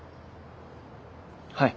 はい。